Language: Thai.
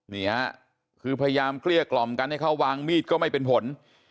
นี่ฮะคือพยายามเกลี้ยกล่อมกันให้เขาวางมีดก็ไม่เป็นผล